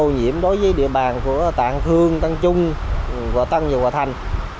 nhiệm đối với địa bàn của tạng khương tăng trung và tăng nhà hòa thành